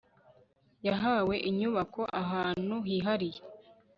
yahawe inyubako ahantu hihariye